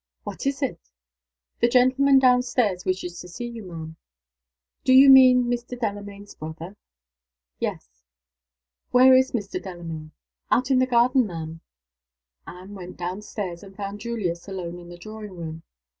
"What is it?" "The gentleman down stairs wishes to see you, ma'am." "Do you mean Mr. Delamayn's brother?" "Yes." "Where is Mr. Delamayn?" "Out in the garden, ma'am." Anne went down stairs, and found Julius alone in the drawing room.